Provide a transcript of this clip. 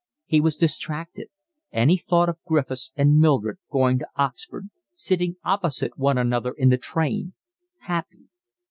He was distracted. And he thought of Griffiths and Mildred going to Oxford, sitting opposite one another in the train, happy.